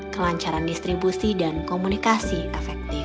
kelancaran distribusi dan komunikasi efektif